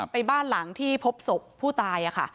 บ้านหลังที่พบศพผู้ตายค่ะ